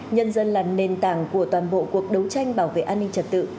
nhân dân là nền tảng của toàn bộ cuộc đấu tranh bảo vệ an ninh trật tự